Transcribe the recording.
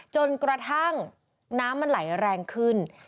จนกระทั่งน้ำมันไหลแรงขึ้น